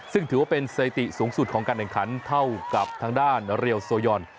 ซึ่งถือว่าเป็นสถิติสูงสุดของการแข่งขันเท่ากับทางด้านเรียลโซยอน